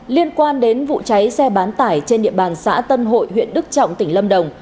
liên quan đến vụ cháy xe bán tải trên địa bàn xã tân hội huyện đức trọng tỉnh lâm đồng